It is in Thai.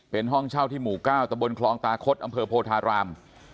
เป็นห้องเช่าที่หมู่๙ตะบนคลองตาคดอำเภอโพธาราม